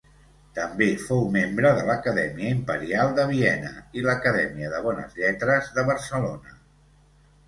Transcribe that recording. També fou membre de l'Acadèmia Imperial de Viena i l'Acadèmia de Bones Lletres de Barcelona.